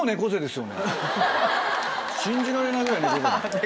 信じられないぐらい猫背。